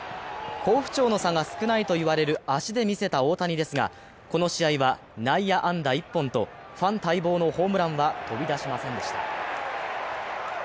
好不調の差が少ないといわれた足で見せた大谷ですがこの試合は内野安打１本とファン待望のホームランは飛び出しませんでした。